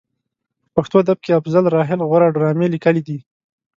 په پښتو ادب کې افضل راحل غوره ډرامې لیکلې دي.